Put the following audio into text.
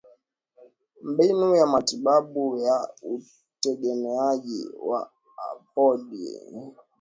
mbinu ya matibabu ya utegemeaji wa opioidi ambao ndio utegemeaji